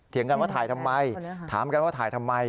กันว่าถ่ายทำไมถามกันว่าถ่ายทำไม